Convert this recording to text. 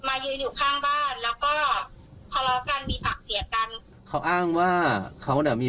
ให้จำนวนมาจัดการที